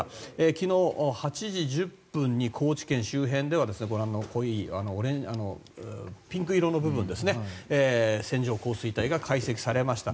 昨日８時１０分に高知県周辺ではご覧の濃いピンク色の部分線状降水帯が解析されました。